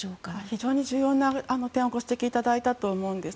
非常に重要な点をご指摘いただいたと思います。